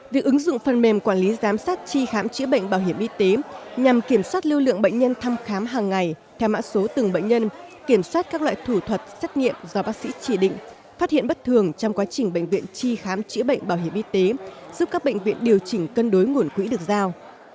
việc ứng dụng phần mềm quản lý giám sát tri khám chữa bệnh bảo hiểm y tế nhằm kiểm soát lưu lượng bệnh nhân thăm khám hàng ngày theo mã số từng bệnh nhân kiểm soát các loại thủ thuật xét nghiệm do bác sĩ chỉ định phát hiện bất thường trong quá trình bệnh viện tri khám chữa bệnh bảo hiểm y tế giúp các bệnh viện điều chỉnh cân đối nguồn quỹ được giao